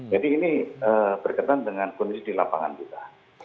jadi ini berkaitan dengan kondisi di lapangan kita